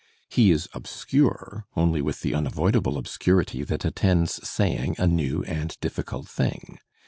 He is obscure only with the unavoidable obscurity that attends saying a new and difficult thing.